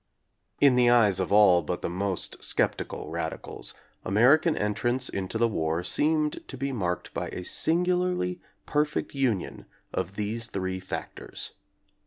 In the eyes of all but the most skeptical radicals, American entrance into the war seemed to be marked by a singularly perfect union of these three factors.